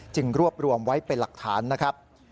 รวบรวมไว้เป็นหลักฐานนะครับ